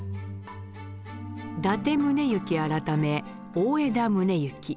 伊達宗行改め大條宗行。